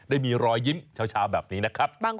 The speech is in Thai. ได้มีรอยยิ้มเช้าแบบนี้นะครับ